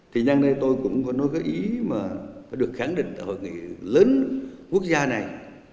thì nhân đây tôi cũng có nói cái ý mà phải được khẳng định tại hội nghị lớn quốc gia này